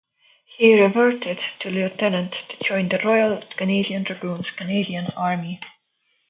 He reverted to lieutenant to join The Royal Canadian Dragoons, Canadian Army.